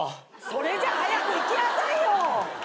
それじゃ早く行きなさいよ。